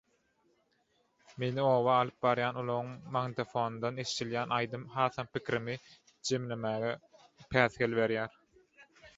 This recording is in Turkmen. Meni oba alyp barýan ulagyň magnitofonyndan eşdilýän aýdym hasam pikirimi jemlemäge päsgel berýär: